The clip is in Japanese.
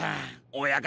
親方